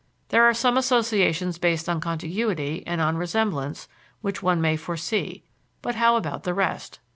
There are some associations based on contiguity and on resemblance which one may foresee, but how about the rest?